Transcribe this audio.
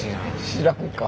知らんか。